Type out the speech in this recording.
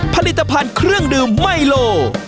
ผลิตภัณฑ์เครื่องดื่มไมโล